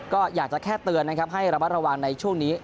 ก็อยากจะแค่เตือนนะครับให้ระมัดระวังในช่วงนี้